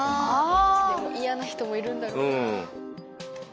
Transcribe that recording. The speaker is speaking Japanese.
嫌な人もいるんだろうな。